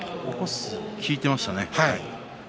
効いていましたね。